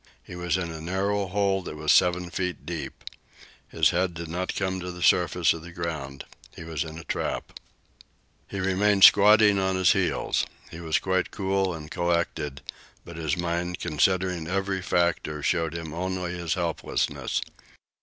He was in a narrow hole that was seven feet deep. His head did not come to the surface of the ground. He was in a trap. He remained squatting on his heels. He was quite cool and collected; but his mind, considering every factor, showed him only his helplessness.